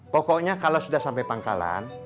pokoknya kalau sudah sampai pangkalan